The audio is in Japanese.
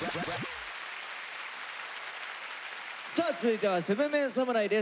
さあ続いては７ＭＥＮ侍です。